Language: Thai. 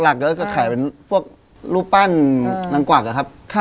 หลักแล้วก็ขายเป็นพวกรูปปั้นนังกวักครับ